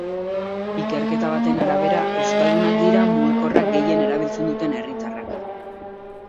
Ikerketa baten arabera euskaldunak dira mugikorra gehien erabiltzen duten herritarrak.